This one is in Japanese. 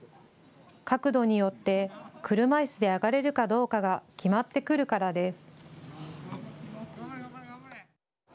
角度によって車いすで上がれるかどうかが決まってくるからです。